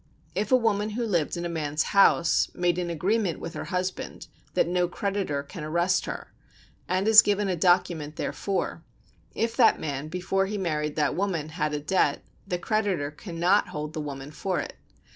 If a woman who lived in a man's house, made an agreement with her husband, that no creditor can arrest her, and has given a document therefor: if that man, before he married that woman, had a debt, the creditor cannot hold the woman for it.